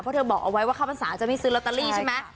เพราะเธอบอกเอาไว้ว่าข้าวพรรษาจะไม่ซื้อลอตเตอรี่ใช่ไหม